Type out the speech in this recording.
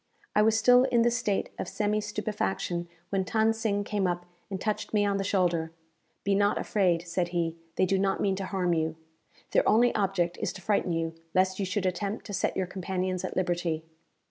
I was still in this state of semi stupefaction when Than Sing came up, and touched me on the shoulder. "Be not afraid," said he; "they do not mean to harm you. Their only object is to frighten you, lest you should attempt to set your companions at liberty."